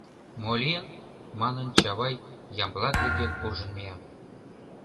Мо лийын? — манын, Чавай Ямблат деке куржын мия.